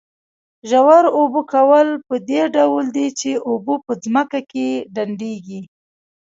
ژور اوبه کول په دې ډول دي چې اوبه په ځمکه کې ډنډېږي.